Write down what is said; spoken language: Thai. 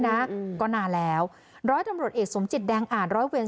ใครเข้ามาติดพันธุ์พี่สาวเรานานหรือยัง